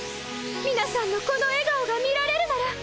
みなさんのこのえがおが見られるなら！